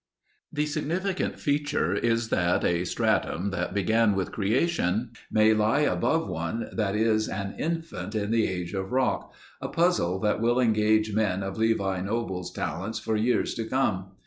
The significant feature is that a stratum that began with creation may lie above one that is an infant in the age of rock—a puzzle that will engage men of Levi Noble's talents for years to come.